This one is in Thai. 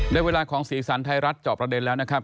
ได้เวลาของสีสันไทยรัฐจอบประเด็นแล้วนะครับ